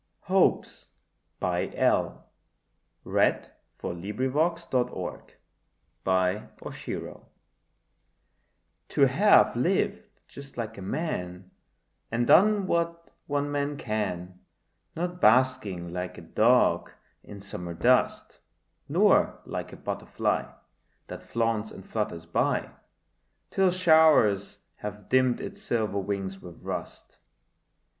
heart a stone, Made love a hero's quest. XXXI HOPES TO have lived just like a man And done what one man can, Not basking like a dog in summer dust; Nor like a butterfly That flaunts and flutters by, Till showers have dimmed its silver wings with rust.